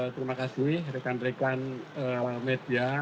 terima kasih rekan rekan media